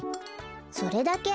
それだけ？